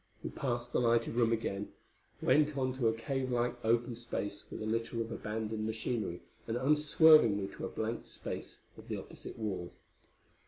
We passed the lighted room again, went on to a cave like open space with a litter of abandoned machinery and unswervingly to a blank space of the opposite wall.